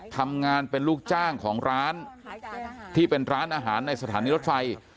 ทำงานเป็นลูกจ้างของร้านที่เป็นร้านอาหารในสถานีรถไฟ